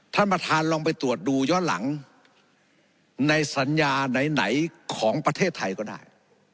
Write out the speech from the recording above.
ท่านประธานลองไปตรวจดูย้อนหลังในสัญญาไหนของประเทศไทยก็ได้